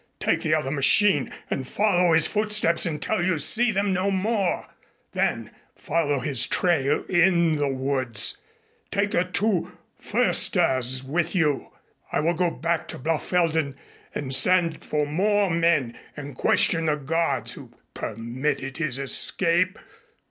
Take the other machine and follow his footsteps until you see them no more. Then follow his trail in the woods. Take the two Försters with you. I will go back to Blaufelden to send for more men and question the guards who permitted his escape.